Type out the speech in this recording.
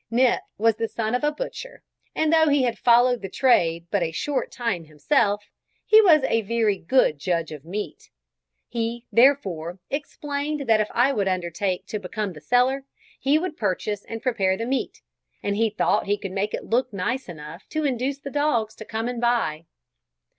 Nip was the son of a butcher, and though he had followed the trade but a short time himself, he was a very good judge of meat. He, therefore, explained that if I would undertake to become the seller, he would purchase and prepare the meat, and he thought he could make it look nice enough to induce the dogs to come and buy.